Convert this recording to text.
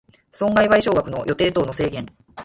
損害賠償額の予定等の制限